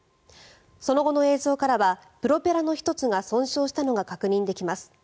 その後の映像からはプロペラの１つが損傷したのが確認できます。